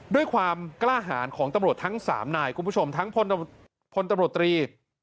ด้วยความกล้าหารของตำรวจทั้ง๓นายคุณผู้ชมทั้งพลตำรวจตรี